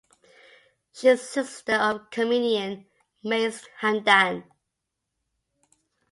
She is a sister of comedian Mais Hamdan.